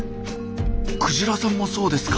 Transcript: クジラさんもそうですか。